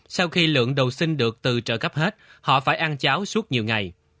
sau khi lượng đầu sinh được từ trợ cấp hết họ phải ăn cháo suốt nhiều ngày